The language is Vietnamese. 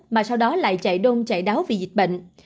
mà sau đó lại chạy đông chạy đáo vì dịch bệnh